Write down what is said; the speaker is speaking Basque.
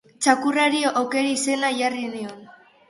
Txakurrari Oker izena jarri nion.